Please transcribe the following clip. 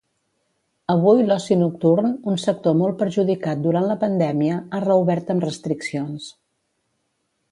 Avui l'oci nocturn, un sector molt perjudicat durant la pandèmia, ha reobert amb restriccions.